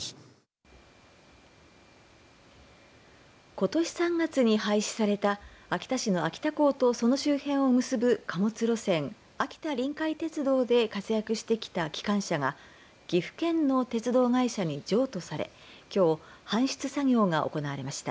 ことし３月に廃止された秋田市の秋田港とその周辺を結ぶ貨物路線、秋田臨海鉄道で活躍してきた機関車が岐阜県の鉄道会社に譲渡されきょう搬出作業が行われました。